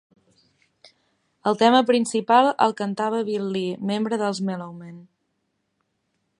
El tema principal el cantava Bill Lee, membre dels Mellomen.